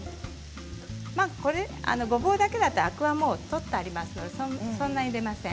ごぼうだけだとアクは取ってありますのでそんなに出ません。